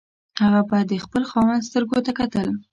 هغه به د خپل خاوند سترګو ته کتل.